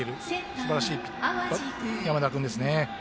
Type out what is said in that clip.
すばらしい山田君ですね。